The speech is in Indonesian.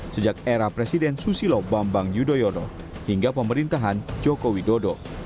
sejak era presiden susilo bambang yudhoyono hingga pemerintahan joko widodo